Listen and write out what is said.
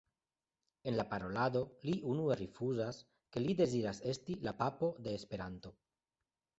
En la parolado li unue rifuzas, ke li deziras esti la Papo de Esperanto.